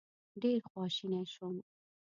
ډېر خواشینی شوم.